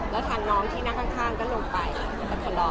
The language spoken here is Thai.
แล้วทางน้องที่นั่งข้างก็ลงไปเราก็ครอบ